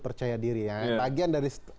percaya diri bagian dari